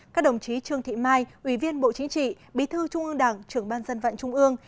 các đồng chí trương thị mai ủy viên bộ chính trị bí thư trung ương đảng trưởng ban dân vận trung ương